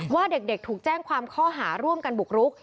ว่าเด็กถูกแจ้งความข้อหาร่วมกันบุกรุก